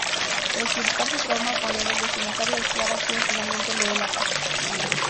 Por equivocarse trauma poner el destinatario, es Clara quien finalmente lee la carta.